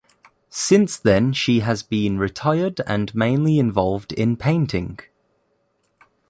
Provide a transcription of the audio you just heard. Since then she has been retired and mainly involved in painting.